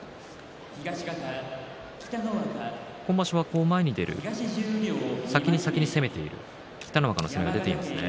今場所は前に出る先に先に攻めている北の若の攻めが出ていますね。